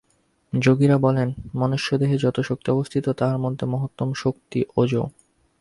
যোগীরা বলেন, মনুষ্যদেহে যত শক্তি অবস্থিত তাহাদের মধ্যে মহত্তম শক্তি ওজঃ।